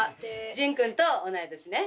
仁君と同い年ね。